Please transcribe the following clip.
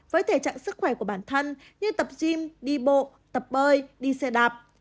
với thể trạng sức khỏe của bản thân như tập gym đi bộ tập bơi đi xe đạp